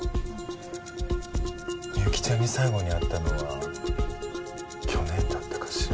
美由紀ちゃんに最後に会ったのは去年だったかしら？